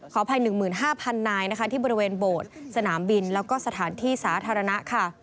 ขออภัย๑๕๐๐๐นายที่บริเวณโบสถ์สนามบินและสถานที่สาธารณะ